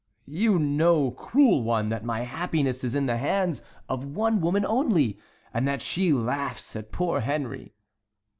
"You know, cruel one, that my happiness is in the hands of one woman only, and that she laughs at poor Henry."